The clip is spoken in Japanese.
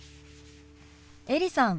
エリさん